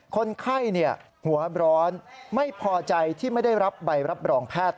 คนไข้หัวร้อนไม่พอใจที่ไม่ได้รับใบรับรองแพทย์